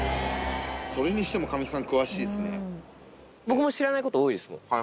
それにしても神木さん、僕も知らないこと多いですもん。